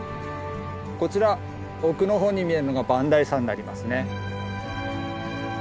こちら奥の方に見えるのが磐梯山になりますね。